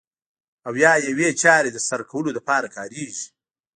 او یا یوې چارې ترسره کولو لپاره کاریږي.